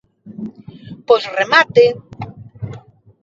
Pois remate.